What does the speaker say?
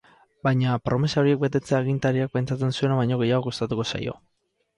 Baina promesa horiek betetzea agintariak pentsatzen zuena baino gehiago kostatuko zaio.